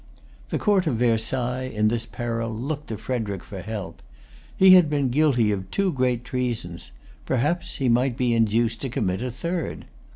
The Court of Versailles, in this peril, looked to Frederic for help. He had been guilty of two great treasons: perhaps he might be induced to commit a third.